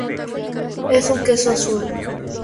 Es un queso azul.